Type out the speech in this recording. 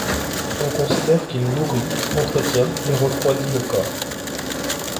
On considère qu'il nourrit, entretien et refroidit le corps.